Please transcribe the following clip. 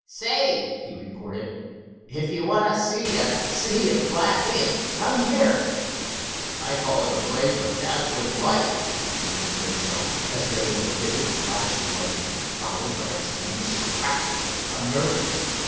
"Say," he reported, "if you want to see a sea of black ink, come here." "I call it a blaze of dazzling light," submitted Grimshaw, as there was a vivid flash of lightning, followed by a tremendous crack of thunder.